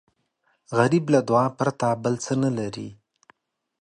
غریب له دعا پرته بل څه نه لري